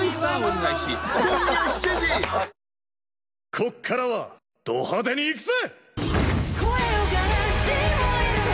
こっからはド派手にいくぜ！